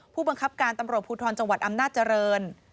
ผู้บังคับการตำรวจภูทรจังหวัดอำนาจริง